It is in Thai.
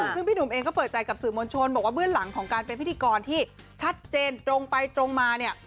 ซึ่งพี่หนุ่มเองก็เปิดใจกับสื่อมวลชนบอกว่าเบื้องหลังของการเป็นพิธีกรที่ชัดเจนตรงไปตรงมาเนี่ย